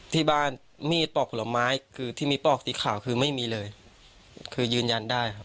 ที่บ้านมีดปอกผลไม้คือที่มีปอกสีขาวคือไม่มีเลยคือยืนยันได้ครับ